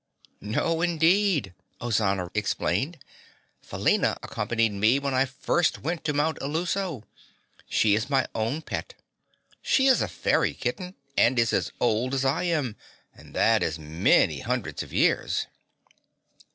"No, indeed," Ozana explained. "Felina accompanied me when I first went to Mount Illuso. She is my own pet. She is a fairy kitten and is as old as I am and that is many hundreds of years."